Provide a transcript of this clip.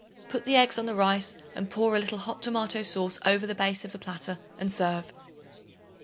Put the eggs on the rice and pour a little hot tomato sauce over the base of the platter and serve.